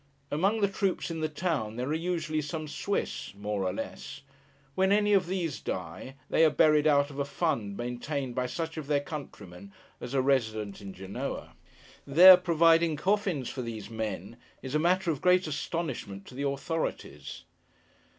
Among the troops in the town, there are usually some Swiss: more or less. When any of these die, they are buried out of a fund maintained by such of their countrymen as are resident in Genoa. Their providing coffins for these men is matter of great astonishment to the authorities.